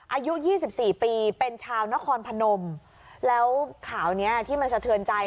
อายุยี่สิบสี่ปีเป็นชาวนครพนมแล้วข่าวเนี้ยที่มันสะเทือนใจ